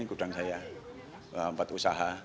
sekarang saya empat usaha